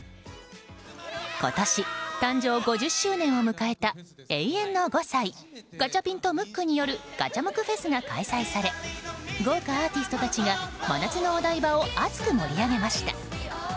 今年、誕生５０周年を迎えた永遠の５歳ガチャピンとムックによるガチャムクフェスが開催され豪華アーティストたちが真夏のお台場を熱く盛り上げました。